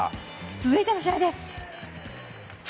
続いての試合です。